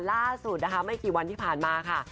ล่าสุดนะคะไม่กี่วันที่ผ่านมาค่ะ